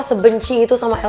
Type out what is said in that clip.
sebenci itu sama el